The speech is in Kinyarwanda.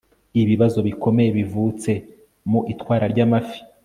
ibibazo bikomeye bivutse mu itwara ry' amafi